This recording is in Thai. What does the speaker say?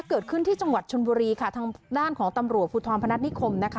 เกิดขึ้นที่จังหวัดชนบุรีค่ะทางด้านของตำรวจภูทรพนัฐนิคมนะคะ